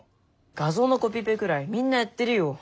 画像のコピペぐらいみんなやってるよ。